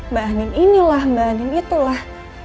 mbak anin inilah mbak anin itulah